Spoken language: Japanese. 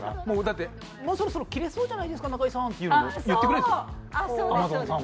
もうだってもうそろそろ切れそうじゃないですか中居さんっていうのも言ってくれるんですよ。